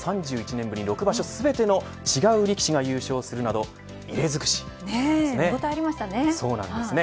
３１年ぶり、６場所全てで違う力士が優勝するなど異例尽くしですね。